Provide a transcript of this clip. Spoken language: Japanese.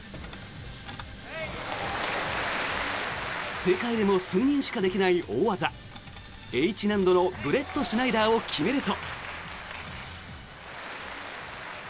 世界でも数人しかできない大技Ｈ難度のブレットシュナイダーを決めると。